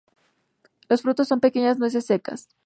Los frutos son pequeñas nueces secas.